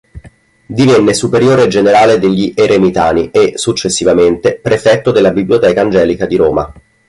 Divenne superiore generale degli Eremitani e, successivamente, prefetto della Biblioteca Angelica di Roma.